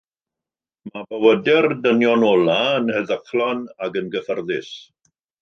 Mae bywydau'r dynion olaf yn heddychlon ac yn gyffyrddus.